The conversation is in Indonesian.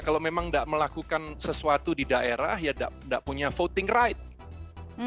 kalau memang tidak melakukan sesuatu di daerah ya tidak punya voting right